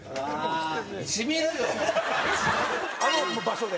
あの場所で。